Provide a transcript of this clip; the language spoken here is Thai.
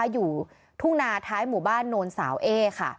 อยู่ทุ่งนาท้ายหมู่บ้านโนนสาวเอ๊ค่ะ